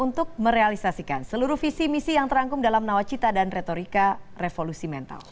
untuk merealisasikan seluruh visi misi yang terangkum dalam nawacita dan retorika revolusi mental